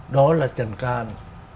đó là trần can